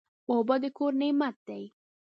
اوبه د کور نعمت دی.